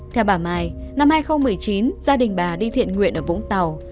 theo bà mài năm hai nghìn một mươi chín gia đình bà đi thiện nguyện ở vũng tàu